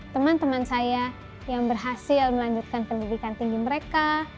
teman teman saya yang berhasil melanjutkan pendidikan tinggi mereka